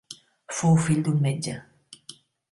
Fou fill d'un metge.